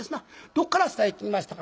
どこから伝え聞きましたか